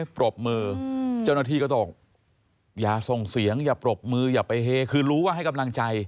ปรบมือเจ้าหน้าที่ก็ต้องอย่าส่งเสียงอย่าปรบมืออย่าไปเฮคือรู้ว่าให้กำลังใจ